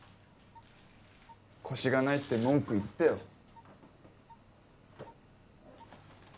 「コシがない」って文句言ってよ